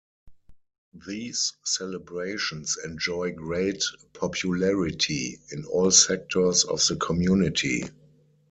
These celebrations enjoy great popularity in all sectors of the community.